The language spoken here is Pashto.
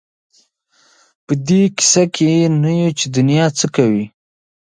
په دې کيسه کې نه یو چې دنیا څه کوي.